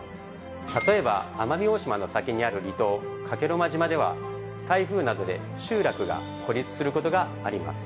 例えば奄美大島の先にある離島加計呂麻島では台風などで集落が孤立することがあります。